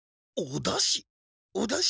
おだし？